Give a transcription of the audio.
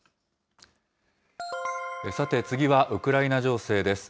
さて、次はウクライナ情勢です。